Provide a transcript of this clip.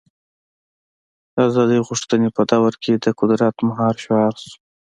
د ازادۍ غوښتنې په دور کې د قدرت مهار شعار شو.